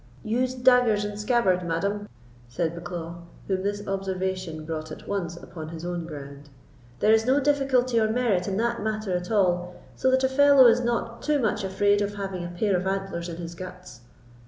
"Uds daggers and scabbard, madam," said Bucklaw, whom this observation brought at once upon his own ground, "there is no difficulty or merit in that matter at all, so that a fellow is not too much afraid of having a pair of antlers in his guts.